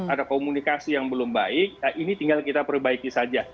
ada komunikasi yang belum baik ini tinggal kita perbaiki saja